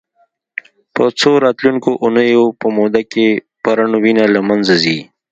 په څو راتلونکو اونیو په موده کې پرڼ وینه له منځه ځي.